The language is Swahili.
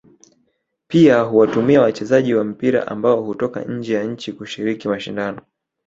Pia huwatumia wachezaji wa mpira ambao hutoka nje ya nchi kushiriki mashindano